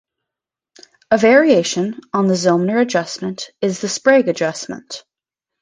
A variation on the Zillmer adjustment is the Sprague adjustment.